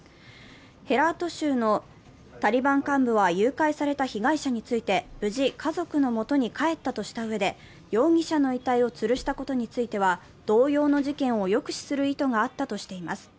ヘラート州のタリバン幹部は、誘拐された被害者について、無事家族の元に帰ったとしたうえで、容疑者の遺体をつるしたことについては同様の事件を抑止する意図があったとしています。